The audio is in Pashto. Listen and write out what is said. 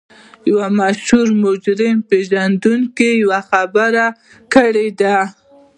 یوه مشهور مجرم پېژندونکي یوه خبره کړې ده